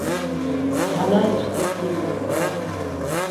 Hanna je štěstím bez sebe.